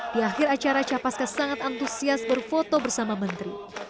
di akhir acara capaska sangat antusias berfoto bersama menteri